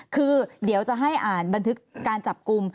คือเดี๋ยวจะให้อ่านบันทึกการจับกลุ่ม